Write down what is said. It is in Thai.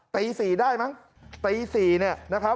ตี๔ได้มั้งตี๔นะครับ